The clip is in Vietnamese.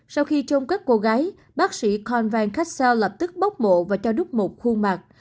sau khi chôn các cô gái bác sĩ corn van kampen lập tức bốc mộ và cho đúc một khuôn mặt